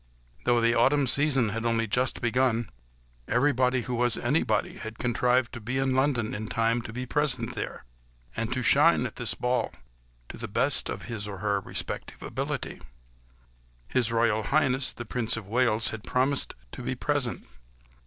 Though the autumn season had only just begun, everybody who was anybody had contrived to be in London in time to be present there, and to shine at this ball, to the best of his or her respective ability. His Royal Highness the Prince of Wales had promised to be present.